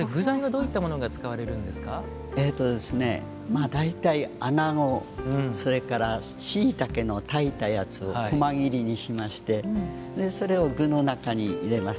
あ大体アナゴそれからしいたけの炊いたやつをこま切りにしましてそれを具の中に入れます。